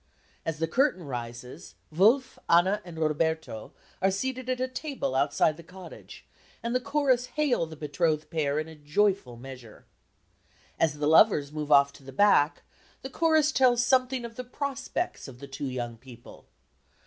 As the curtain rises, Wulf, Anna and Roberto are seated at a table outside the cottage, and the chorus hail the betrothed pair in a joyful measure. As the lovers move off to the back, the chorus tells something of the prospects of the two young people.